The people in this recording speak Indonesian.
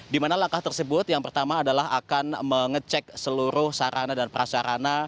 di mana langkah tersebut yang pertama adalah akan mengecek seluruh sarana dan prasarana